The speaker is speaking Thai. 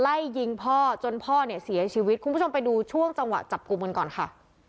ไล่ยิงพ่อจนพ่อเนี่ยเสียชีวิตคุณผู้ชมไปดูช่วงจังหวะจับกลุ่มกันก่อนค่ะ